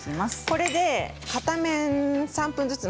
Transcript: これで片面３分ずつ。